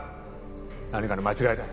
何かの間違いだ。